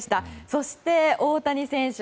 そして大谷選手